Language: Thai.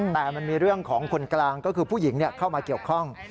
แต่มันมีเรื่องของคนกลางก็คือผู้หญิงเข้ามาเกี่ยวข้อง